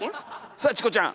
さあチコちゃん！